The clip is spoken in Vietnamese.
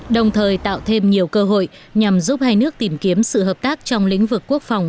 đồng thời tạo thêm nhiều cơ hội nhằm giúp hai nước tìm kiếm sự hợp tác trong lĩnh vực quốc phòng